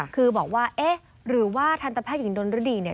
คือบอกว่าหรือว่าทันตะแพทย์หญิงโดนรดี